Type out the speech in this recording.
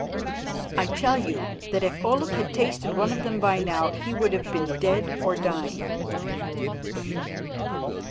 I tell you that if Olaf had tasted one of them by now he would have been dead or dying."